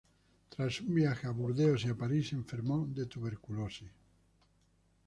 Tras un viaje a Burdeos y París enfermó de tuberculosis.